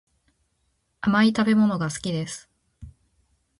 甘い食べ物が好きです